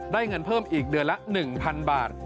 เงินเพิ่มอีกเดือนละ๑๐๐๐บาท